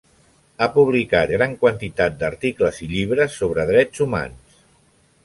Ha publicat gran quantitat d'articles i llibres sobre drets humans.